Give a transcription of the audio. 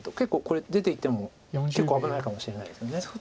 これ出ていっても結構危ないかもしれないですよね。